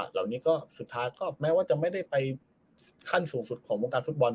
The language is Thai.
เหล่านี้ก็สุดท้ายก็แม้ว่าจะไม่ได้ไปขั้นสูงสุดของวงการฟุตบอล